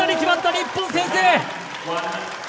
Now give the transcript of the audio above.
日本先制！